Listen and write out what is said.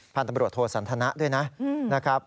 พันธบริวดโทษภัณฑ์ด้วยนะ